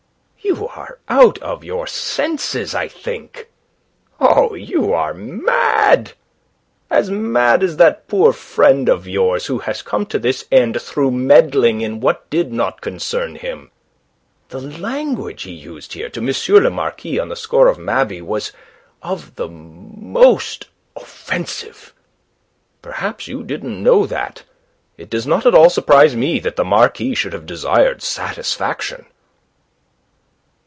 You are out of your senses, I think. Oh, you are mad; as mad as that poor friend of yours who has come to this end through meddling in what did not concern him. The language he used here to M. le Marquis on the score of Mabey was of the most offensive. Perhaps you didn't know that. It does not at all surprise me that the Marquis should have desired satisfaction."